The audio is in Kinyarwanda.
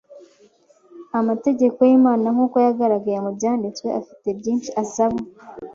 Amategeko y’Imana, nk’uko yagaragaye mu byanditswe, afite byinshi asaba.